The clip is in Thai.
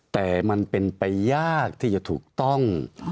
แต่มันเป็นไปยากที่จะถูกต้อง